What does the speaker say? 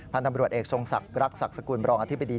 พันธ์ฐัมรวชเอกทรงศักดิ์รักษณ์ศักดิ์สกุลบรองอธิบดี